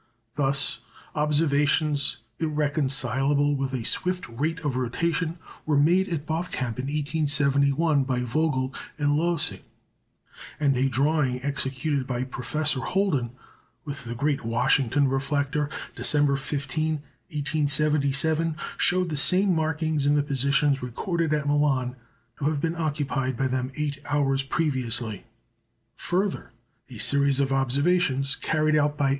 Thus, observations irreconcilable with a swift rate of rotation were made at Bothkamp in 1871 by Vogel and Lohse; and a drawing executed by Professor Holden with the great Washington reflector, December 15, 1877, showed the same markings in the positions recorded at Milan to have been occupied by them eight hours previously. Further, a series of observations, carried out by M.